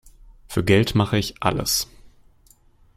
Für Geld mache ich alles.